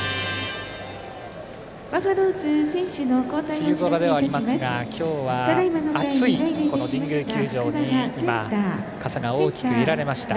梅雨空ではありますが今日は暑いこの神宮球場に今、傘が大きく揺られました。